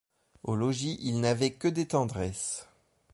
Au logis, il n’avait que des tendresses.